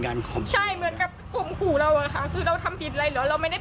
แค่โทษหาคนมามาช่วยเก็บหมาแค่นั้น